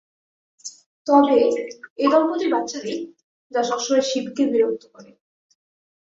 তবে এই দম্পতির বাচ্চা নেই, যা সবসময় শিবকে বিরক্ত করে।